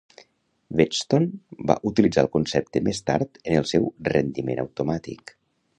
Wheatstone va utilitzar el concepte més tard en el seu remitent automàtic.